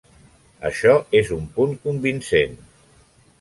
Això és un punt convincent.